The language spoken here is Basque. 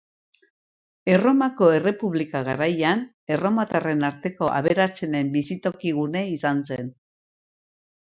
Erromako Errepublika garaian, erromatarren arteko aberatsenen bizitoki gune izan zen.